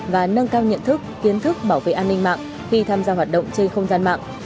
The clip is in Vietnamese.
và nâng cao nhận thức kiến thức bảo vệ an ninh mạng khi tham gia hoạt động trên không gian mạng